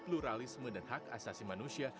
pluralisme dan hak asasi manusia